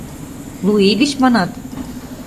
Лу ий гыч, манат?